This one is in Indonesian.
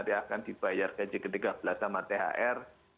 maka pns nanti akan dibayar gaji ketiga belas sama thr